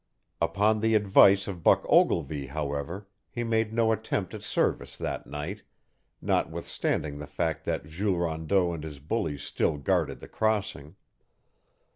Upon the advice of Buck Ogilvy, however, he made no attempt at service that night, notwithstanding the fact that Jules Rondeau and his bullies still guarded the crossing.